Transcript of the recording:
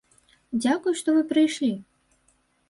Дзякуй, што вы прыйшлі.